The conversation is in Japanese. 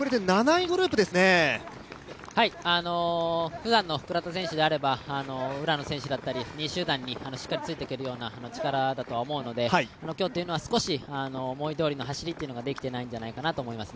普段であれば、浦野選手とか２位集団にしっかりついていけるような力だと思うので今日は少し思いどおりの走りができていないんじゃないかと思います。